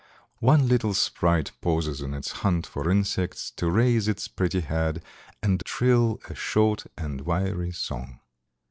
One little sprite pauses in its hunt for insects to raise its pretty head and trill a short and wiry song."